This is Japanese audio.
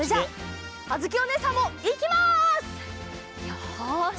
よし！